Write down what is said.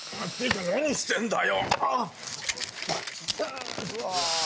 何してんだよ